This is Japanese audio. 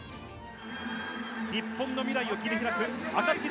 日本の未来を切り開く、あかつき